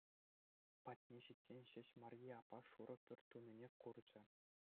Патне ҫитсен ҫеҫ Марье аппа шурӑ пӳрт тунине курчӗ.